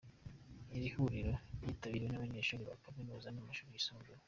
Iri huriro ryitabiriwe n'abanyeshuri ba kaminuza n'amashuri yisumbuye.